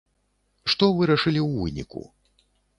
Што вырашылі ў выніку?